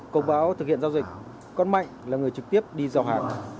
công báo thực hiện giao dịch con mạnh là người trực tiếp đi giao hàng